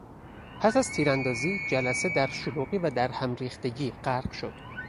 پس از تیراندازی جلسه در شلوغی و در هم ریختگی غرق شد.